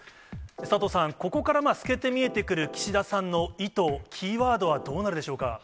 佐藤さん、ここから透けて見えてくる岸田さんの意図、キーワードはどうなるでしょうか。